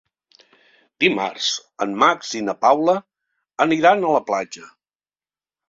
Dimarts en Max i na Paula aniran a la platja.